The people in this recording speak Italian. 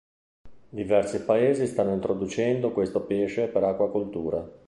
Diversi paesi stanno introducendo questo pesce per acquacoltura.